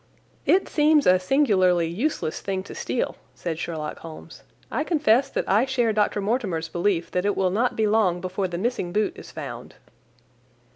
"It seems a singularly useless thing to steal," said Sherlock Holmes. "I confess that I share Dr. Mortimer's belief that it will not be long before the missing boot is found."